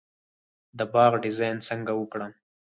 د باغ ډیزاین څنګه وکړم؟